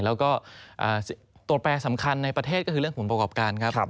แล้วก็ตัวแปรสำคัญในประเทศก็คือเรื่องผลประกอบการครับ